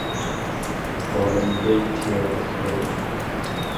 باڵندەی تیا بفڕێت